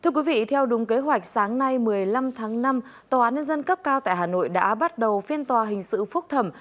thưa quý vị theo đúng kế hoạch sáng nay một mươi năm tháng năm tòa án nhân dân cấp cao tại hà nội đã bắt đầu phiên tòa hình sự phúc thẩm